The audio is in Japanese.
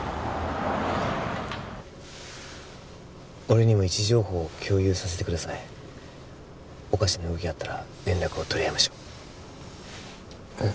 俺にも位置情報を共有させてくださいおかしな動きがあったら連絡を取り合いましょうええ